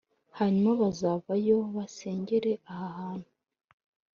hanyuma bazavayo bansengere aha hantu